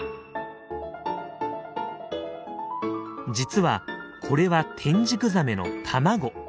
実はこれはテンジクザメの卵。